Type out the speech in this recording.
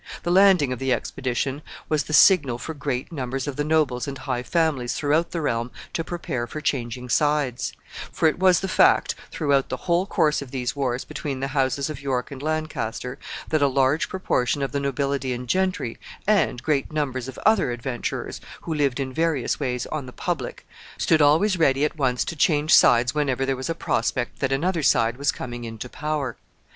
The landing of the expedition was the signal for great numbers of the nobles and high families throughout the realm to prepare for changing sides; for it was the fact, throughout the whole course of these wars between the houses of York and Lancaster, that a large proportion of the nobility and gentry, and great numbers of other adventurers, who lived in various ways on the public, stood always ready at once to change sides whenever there was a prospect that another side was coming into power.